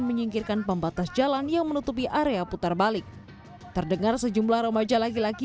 menyingkirkan pembatas jalan yang menutupi area putar balik terdengar sejumlah rambu aja lagi lagi